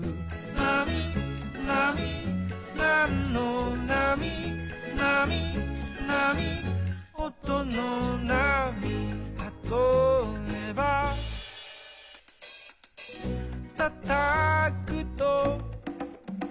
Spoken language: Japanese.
「なみなみなんのなみ」「なみなみおとのなみ」「たとえば」「たたくと」